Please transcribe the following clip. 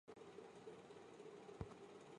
黑皮柳为杨柳科柳属下的一个种。